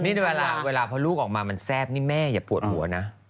นี่เวลาพอลูกออกมามันแซ่บนี่แม่อย่าปวดหัวนะ